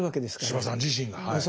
司馬さん自身がはい。